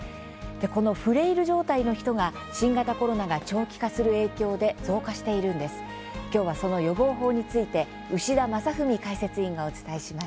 このフレイルの状態の人が新型コロナが長期化する影響で増加しているということです。